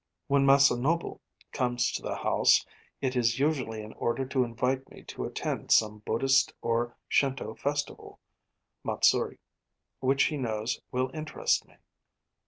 When Masanobu comes to the house, it is usually in order to invite me to attend some Buddhist or Shinto festival (matsuri) which he knows will interest me.